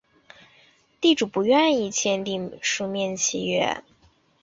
地主不愿意订立书面契约